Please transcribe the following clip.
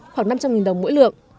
khoảng năm trăm linh đồng mỗi lượng